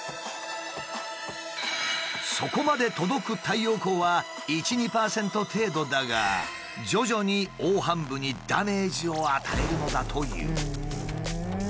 そこまで届く太陽光は１２％程度だが徐々に黄斑部にダメージを与えるのだという。